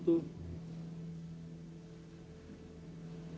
aku sudah selesai